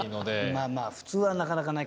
まあまあ普通はなかなかない。